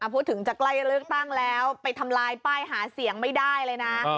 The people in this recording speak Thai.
พูดถึงจะใกล้เลือกตั้งแล้วไปทำลายป้ายหาเสียงไม่ได้เลยนะ